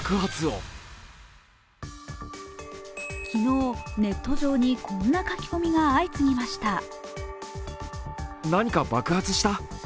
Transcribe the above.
昨日、ネット上にこんな書き込みが相次ぎました。